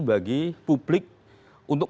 bagi publik untuk